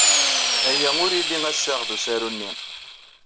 Aya ur ili assaɣ ed usaru-nni.